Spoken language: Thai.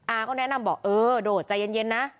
ก็แนะนำบอกเออโดดใจเย็นนะ